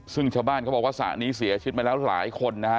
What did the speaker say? ซึ่งชาวบ้านเขาบอกว่าสระนี้เสียชีวิตมาแล้วหลายคนนะฮะ